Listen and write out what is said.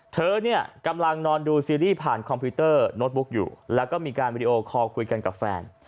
เธอเนี่ยกำลังนอนดูซีรีส์ผ่านคอมพิวเตอร์โน้ตบุ๊กอยู่แล้วก็มีการวิดีโอคอลคุยกันกับแฟน